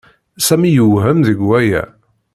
Sami yewhem deg waya.